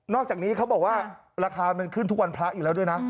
อกจากนี้เขาบอกว่าราคามันขึ้นทุกวันพระอยู่แล้วด้วยนะ